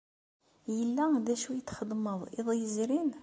Yella d acu i txedmeḍ iḍ yezrin?